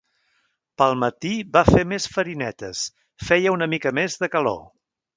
Pel matí va fer més farinetes; feia una mica més de calor.